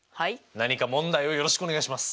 何か問題をよろしくお願いします！